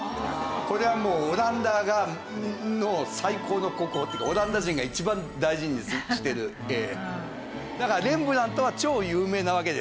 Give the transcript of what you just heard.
これはもうオランダの最高の国宝。っていうかオランダ人が一番大事にしてる絵。